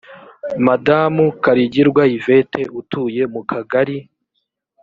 madamu kaligirwa yvette utuye mu kagari